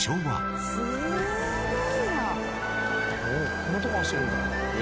こんなとこ走るんだ。